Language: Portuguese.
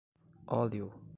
Óleo